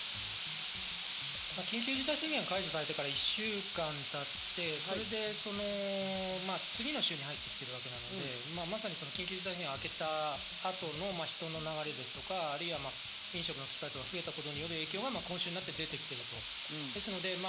緊急事態宣言が解除されてから１週間たって、それで次の週に入ってきているわけなので、まさに緊急事態宣言があけた後の人の流れですとか、飲食の機会とかが増えたことによる影響が今週になって出てきている。